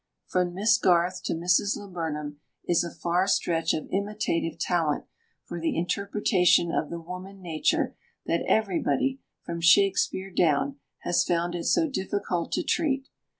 From Miss Garth to Mrs. Laburnum is a far stretch of imitative talent for the interpretation of the woman nature that everybody, from Shakespeare down, has found it so difficult to treat.